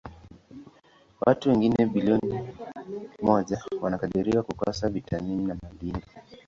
Watu wengine bilioni moja wanakadiriwa kukosa vitamini na madini.